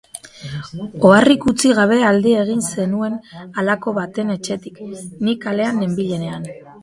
Oharrik utzi gabe alde egin zenuen halako batean etxetik, ni kalean nenbilenean.